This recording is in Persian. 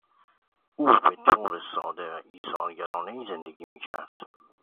او به طور ساده و ایثارگرانهای زندگی میکرد.